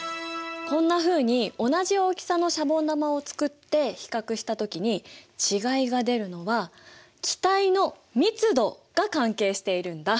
こんなふうに同じ大きさのシャボン玉を作って比較したときに違いが出るのは気体の密度が関係しているんだ！